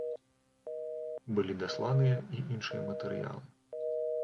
Былі дасланыя і іншыя матэрыялы.